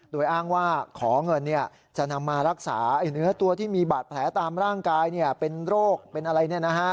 โดยอ้างว่าขอเงินจะนำมารักษาเนื้อตัวที่มีบาดแผลตามร่างกายเป็นโรคเป็นอะไร